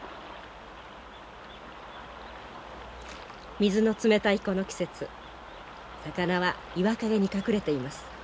水の冷たいこの季節魚は岩陰に隠れています。